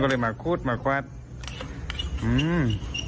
ก็เลยมาคุดมาควัดอืม